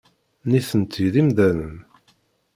Nitenti d imdanen.